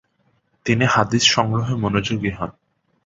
তিনি হাদিস সংগ্রহে মনোযোগী হন।